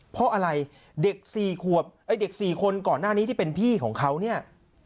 เพราะอะไรเด็ก๔คนก่อนหน้านี้ที่เป็นพี่ของเขาเนี่ย